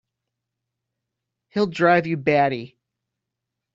He'll drive you batty!